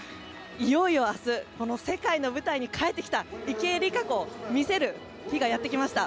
いよいよ明日世界の舞台に帰ってきた池江璃花子を見せる日がやってきました。